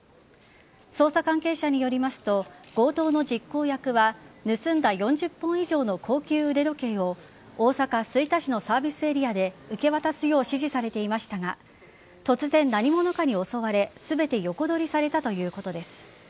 捜査関係者によりますと強盗の実行役は盗んだ４０本以上の高級腕時計を大阪・吹田市のサービスエリアで受け渡すよう指示されていましたが突然、何者かに襲われ全て横取りされたということです。